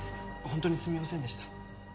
本当にすみませんでした。